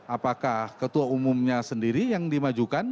apakah ketua umumnya sendiri yang dimajukan